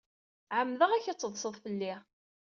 Ɛemmdeɣ-ak ad teḍsed fell-i.